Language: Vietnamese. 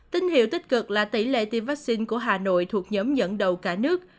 tin hiệu tích cực là tỷ lệ tiêm vaccine của hà nội thuộc nhóm dẫn đầu cả nước